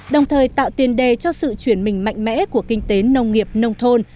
đồng thời tạo tiền đề cho sự chuyển mình mạnh mẽ của kinh tế nông nghiệp nông thôn